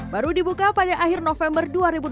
baru dibuka pada akhir november dua ribu dua puluh